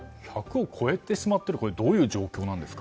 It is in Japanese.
１００を超えてしまっているというのはどういう状況なんです。